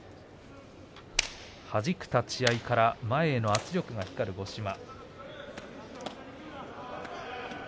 はじく立ち合いから前の圧力が光る五島です。